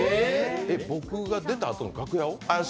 僕が出たあとの楽屋を？